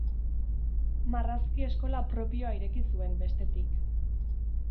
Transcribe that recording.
Marrazki eskola propioa ireki zuen, bestetik.